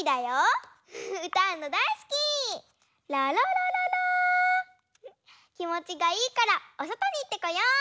きもちがいいからおそとにいってこよう！